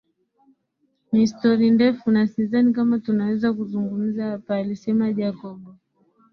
Ni stori ndefu na sidhani kama tunaweza kuzungumza hapa alisema Jacob